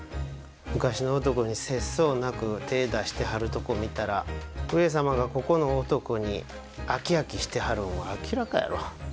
昔の男に節操なく手ぇ出してはるとこ見たら上様がここの男に飽き飽きしてはるんは明らかやろ？